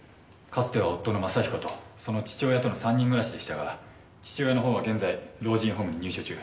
かつては夫の真彦とその父親との３人暮らしでしたが父親の方は現在老人ホームに入所中。